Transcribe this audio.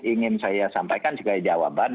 ingin saya sampaikan sebagai jawaban